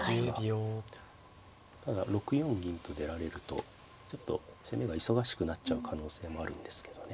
ただ６四銀と出られるとちょっと攻めが忙しくなっちゃう可能性もあるんですけどね。